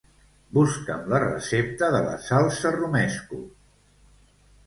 Busca'm la recepta de la salsa romesco.